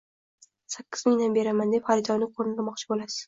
sakkiz mingdan beraman”, deb xaridorni “ko‘ndirmoqchi” bo‘lasiz.